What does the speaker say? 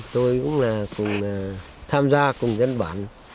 tôi cũng tham gia cùng dân bản